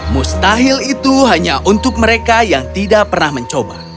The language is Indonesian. mustahil itu hanya untuk mereka yang tidak pernah mencoba